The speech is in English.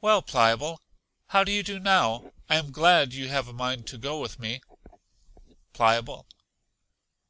Well, Pliable, how do you do now? I am glad you have a mind to go with me. Pliable.